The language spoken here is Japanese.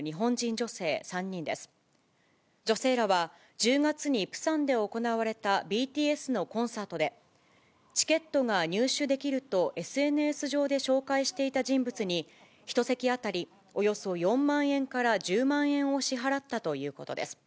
女性らは、１０月にプサンで行われたＢＴＳのコンサートで、チケットが入手できるとＳＮＳ上で紹介していた人物に、１席当たりおよそ４万円から１０万円を支払ったということです。